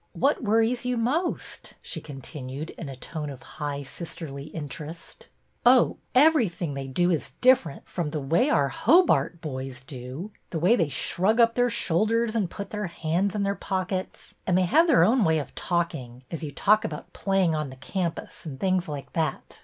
What worries you most ?" she continued, in a tone of high sisterly interest. " Oh, everything they do is different from the way our Hobart boys do ; the way they shrug up their shoulders and put their hands in their pockets. And they have their own way of talk ing, as you talk about ' playing on the campus,' and things like that.